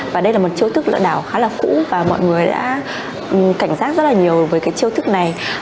và đây là một chiêu thức lừa đảo khá là cũ và mọi người đã cảnh giác rất là nhiều với cái chiêu thức này